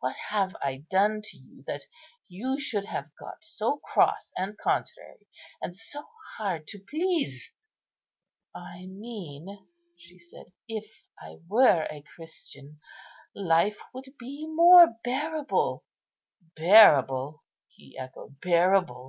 What have I done to you that you should have got so cross and contrary and so hard to please?" "I mean," she said, "if I were a Christian, life would be more bearable." "Bearable!" he echoed; "bearable!